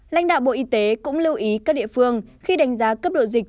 lãnh đạo bộ y tế cũng lưu ý các địa phương khi đánh giá cấp độ dịch